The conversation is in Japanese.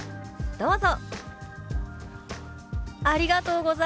どうぞ。